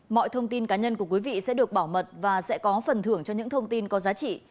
mọi thông tin cá nhân của quý vị sẽ được bảo mật và sẽ có phần thưởng cho những thông tin có giá trị